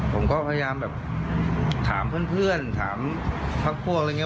ผมก็พยายามแบบถามเพื่อนถามพักพวกอะไรอย่างนี้